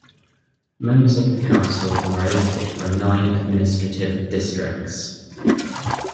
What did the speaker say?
Members of the council are elected from nine administrative districts.